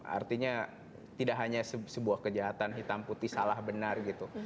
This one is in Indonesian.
artinya tidak hanya sebuah kejahatan hitam putih salah benar gitu